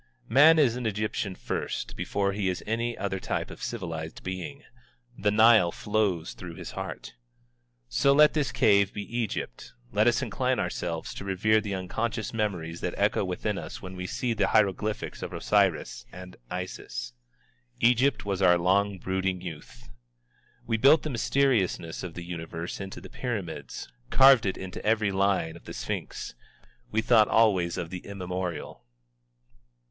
Man is an Egyptian first, before he is any other type of civilized being. The Nile flows through his heart. So let this cave be Egypt, let us incline ourselves to revere the unconscious memories that echo within us when we see the hieroglyphics of Osiris, and Isis. Egypt was our long brooding youth. We built the mysteriousness of the Universe into the Pyramids, carved it into every line of the Sphinx. We thought always of the immemorial.